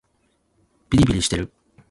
びりびりしてる